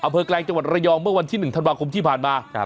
อเภิร์กแลงจังหวัดระยองเมื่อวันที่หนึ่งธนาคมที่ผ่านมาครับ